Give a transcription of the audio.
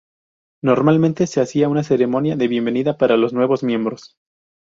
Normalmente se hacía una ceremonia de bienvenida para los nuevos miembros.